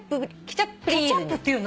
ケチャップっていうの？